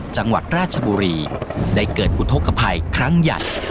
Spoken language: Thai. จังหวัดราชบุรีได้เกิดอุทธกภัยครั้งใหญ่